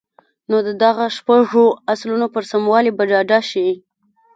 نو د دغو شپږو اصلونو پر سموالي به ډاډه شئ.